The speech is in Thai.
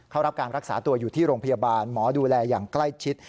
รับการรักษาตัวอยู่ที่โรงพยาบาลหมอดูแลอย่างใกล้ชิด